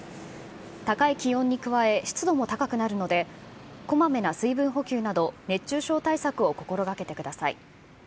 高い気温に加え、湿度も高くなるので、こまめな水分補給など、熱中症対策を心がけてください。